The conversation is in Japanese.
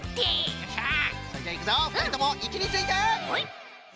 よっしゃそれじゃいくぞふたりともいちについてよい。